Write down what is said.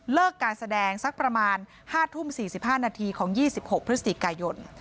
การแสดงสักประมาณ๕ทุ่ม๔๕นาทีของ๒๖พฤศจิกายน